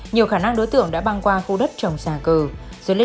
nhưng chỉ được vài bước thì tú đuổi kịp